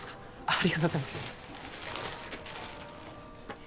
ありがとうございます